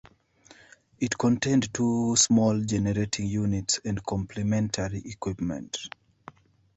It contained two small generating units and complementary equipment.